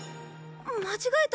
間違えた。